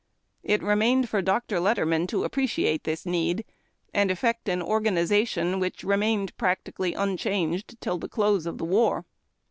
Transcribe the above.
It remained for Dr. Letterman to appreciate this need, and effect an organization which remained practically unchanged till the close of the war.